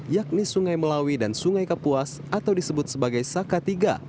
yakni sungai melawi dan sungai kapuas atau disebut sebagai saka tiga